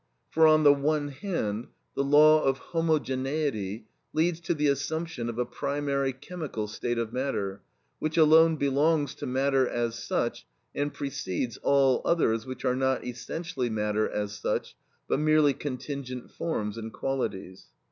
For, on the one hand, the law of homogeneity leads to the assumption of a primary chemical state of matter, which alone belongs to matter as such, and precedes all others which are not essentially matter as such, but merely contingent forms and qualities.